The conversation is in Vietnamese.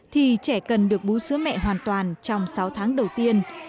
thì trẻ cần được bú sứ mẹ hoàn toàn trong sáu tháng đầu tiên